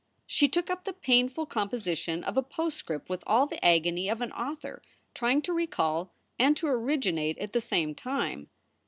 She took up the painful composition of a postscript with all the agony of an author trying to recall and to originate at the same time.